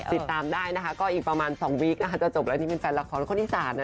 สิตามได้นะครับก็อีกประมาณ๒วีกจะจบแล้วที่เป็นแฟนละครคนอิสรศน์นะฮะ